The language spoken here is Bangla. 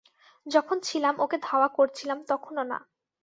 যখন ছিলাম, ওকে ধাওয়া করছিলাম তখনও না।